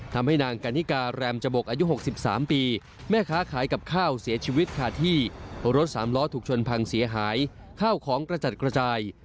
ทำให้นางกันนิกาแรมจบกอายุ๖๓ปีแม่ค้าขายกับข้าวเสียชีวิตขาดที่รถสามล้อถูกชนพังเสียหายข้าวของกระจัดกระจาย